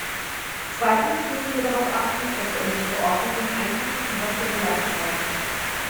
Zweitens müssen wir darauf achten, dass wir unsere Verordnungen einfacher und rationeller gestalten.